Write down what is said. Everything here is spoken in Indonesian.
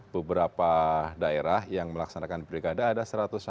beberapa daerah yang melaksanakan pilkada ada satu ratus satu